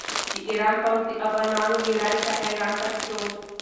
د ایران پوځ د افغانانو مېړانې ته حیران پاتې شو.